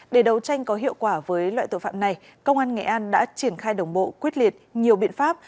để đấu tranh có hiệu quả với loại tội phạm này công an nghệ an đã triển khai đồng bộ quyết liệt nhiều biện pháp